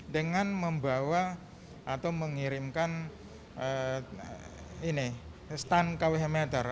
dengan membawa atau mengirimkan stand kwh meter